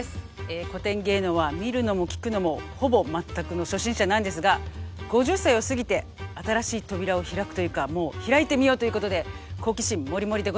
古典芸能は見るのも聴くのもほぼ全くの初心者なんですが５０歳を過ぎて新しい扉を開くというかもう開いてみようということで好奇心モリモリでございます。